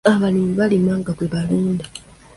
Abalimi balima nga bwe balunda.